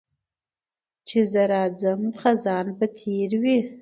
چي زه راځمه خزان به تېر وي